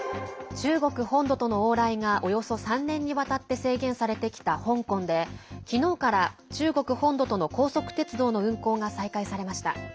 中国本土との往来がおよそ３年にわたって制限されてきた香港で昨日から中国本土との高速鉄道の運行が再開されました。